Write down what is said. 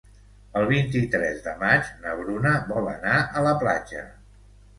El vint-i-tres de maig na Bruna vol anar a la platja.